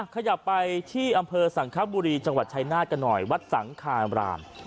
ขยับไปที่อำเภอสังคบุรีจังหวัดชายนาฏกันหน่อยวัดสังคามราม